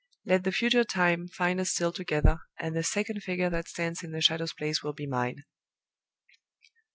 Let the future time find us still together, and the second figure that stands in the Shadow's place will be Mine."